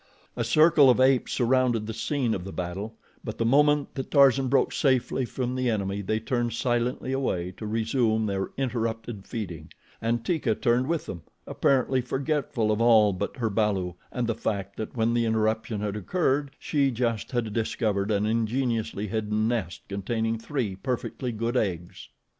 A circle of apes surrounded the scene of the battle; but the moment that Tarzan broke safely from the enemy they turned silently away to resume their interrupted feeding, and Teeka turned with them, apparently forgetful of all but her balu and the fact that when the interruption had occurred she just had discovered an ingeniously hidden nest containing three perfectly good eggs.